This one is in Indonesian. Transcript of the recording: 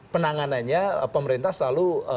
penanganannya pemerintah selalu